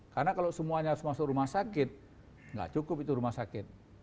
karena kalau semuanya harus masuk rumah sakit nggak cukup itu rumah sakit